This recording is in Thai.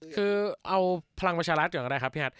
คือเอาพลังประชารัฐก่อนก็ได้ครับพี่แอด